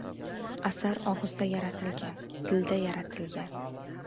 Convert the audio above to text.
Asar og‘izda yaratilgan. Tilda yaratilgan.